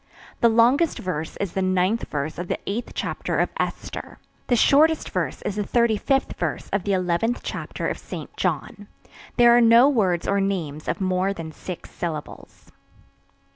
The longest verse is the 9th verse of the 8th chapter of Esther. The shortest verse is the 35th verse of the 11th chapter of St. John. There are no words or names of more than six syllables.